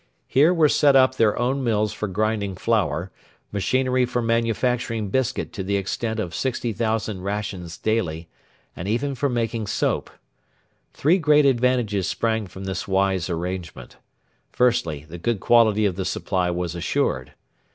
Here were set up their own mills for grinding flour, machinery for manufacturing biscuit to the extent of 60,000 rations daily, and even for making soap. Three great advantages sprang from this wise arrangement. Firstly, the good quality of the supply was assured.